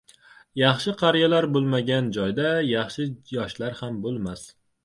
• Yaxshi qariyalar bo‘lmagan joyda yaxshi yoshlar ham bo‘lmas.